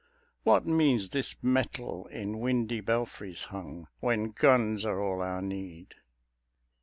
What means this metal in windy belfries hung When guns are all our need?